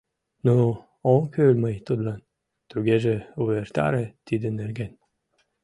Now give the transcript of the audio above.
Ну, ом кӱл мый тудлан, тугеже увертаре тидын нерген.